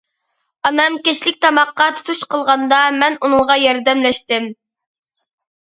ئانام كەچلىك تاماققا تۇتۇش قىلغاندا، مەن ئۇنىڭغا ياردەملەشتىم.